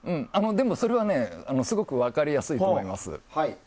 でも、それはすごく分かりやすいと思います。